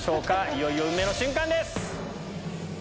いよいよ運命の瞬間です！